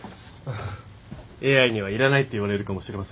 ＡＩにはいらないって言われるかもしれませんが。